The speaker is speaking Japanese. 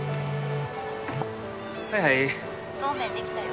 はいはい☎そうめんできたよ